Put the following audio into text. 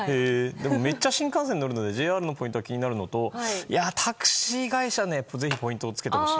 でも、めっちゃ新幹線乗るのでＪＲのポイントが気になるのとタクシー会社にぜひポイントをつけてほしい。